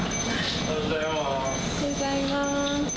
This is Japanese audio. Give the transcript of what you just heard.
おはようございます。